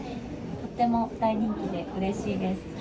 とっても大人気でうれしいです。